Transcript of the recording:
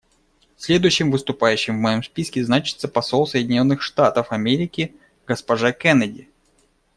Следующим выступающим в моем списке значится посол Соединенных Штатов Америки госпожа Кеннеди.